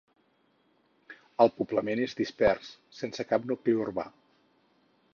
El poblament és dispers, sense cap nucli urbà.